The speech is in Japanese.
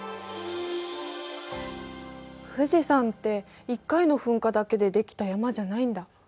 富士山って１回の噴火だけで出来た山じゃないんだ。